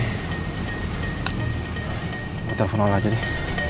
nggak telfon apa apa aja deh